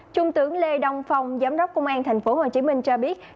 trung tướng lê đông phong giám đốc công an tp hcm cho biết